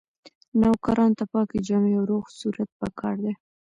نوکرانو ته پاکې جامې او روغ صورت پکار دی.